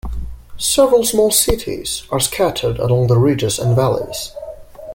Several small cities are scattered along the ridges and valleys.